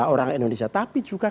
orang indonesia tapi juga